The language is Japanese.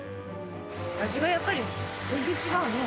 味はやっぱり全然違うね。